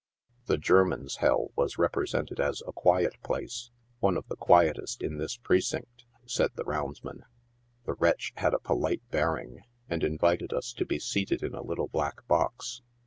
The German's hell was represented as a " quiet place" —" one of the quietest in this precinct," said the roundsman. The wretch had a polite bearing, and invited us to be seated in a little back box.